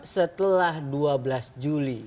setelah dua belas juli